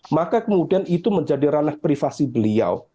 maka kemudian itu menjadi ranah privasi beliau